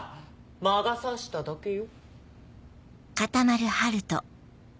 魔が差しただけよ。